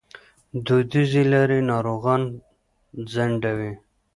دودیزې لارې ناروغان ځنډوي.